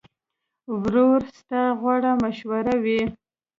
ورور ستا غوره مشوره وي.